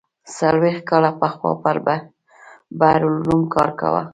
څلوېښت کاله پخوا پر بحر العلوم کار کاوه.